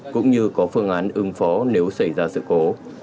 cũng như có phương án ứng phó nếu xảy ra sự cố